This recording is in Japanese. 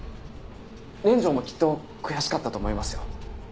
連城もきっと悔しかったと思いますよ。